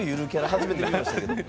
初めて見ました。